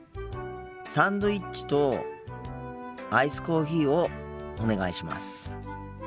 サンドイッチとアイスコーヒーをお願いします。